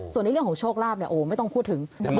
ส่วนในเรื่องของโชคลาภเนี่ยโอ้ไม่ต้องพูดถึง